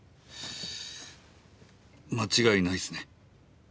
間違いないっすね。